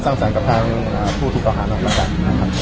สร้างสรรค์กับทั้งผู้ถูกอาวาศาเหมือนกัน